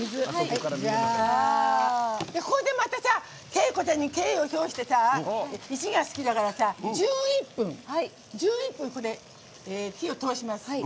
ここで、景子ちゃんに敬意を表して、１が好きだから１１分、これ火を通します。